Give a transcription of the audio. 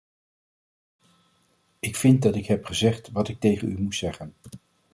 Ik vind dat ik heb gezegd wat ik tegen u moest zeggen.